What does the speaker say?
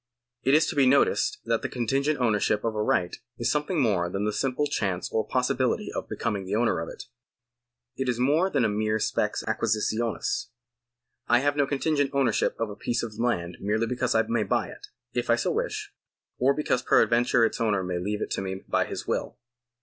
It is to be noticed that the contingent ownership of a right is something more than a simple chance or possibility of becoming the owner of it. It is more than a mere spes acquisitionis. I have no contingent ownership of a piece of land merely because I may buy it, if I so wish ; or because peradventure its owner may leave it to me by his will.